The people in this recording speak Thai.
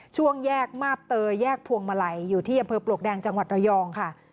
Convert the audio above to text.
ช่วงแยกมาบเตยแยกพวงมาลัยอยู่ที่อำเภอปลวกแดงจังหวัดระยองค่ะ